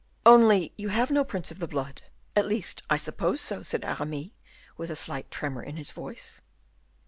"Only you have no prince of the blood; at least, I suppose so," said Aramis, with a slight tremor in his voice.